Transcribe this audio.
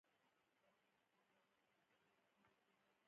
کاناډا په نړۍ کې یوازې نه ده.